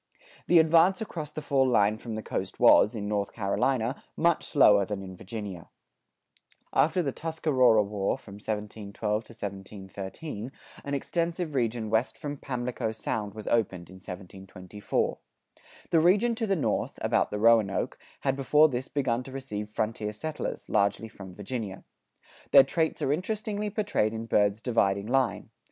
The advance across the fall line from the coast was, in North Carolina, much slower than in Virginia. After the Tuscarora War (1712 13) an extensive region west from Pamlico Sound was opened (1724). The region to the north, about the Roanoke, had before this begun to receive frontier settlers, largely from Virginia. Their traits are interestingly portrayed in Byrd's "Dividing Line."